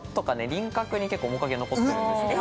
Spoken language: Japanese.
輪郭に結構面影残ってるんですけど。